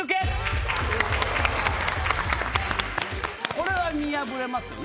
これは見破れますよね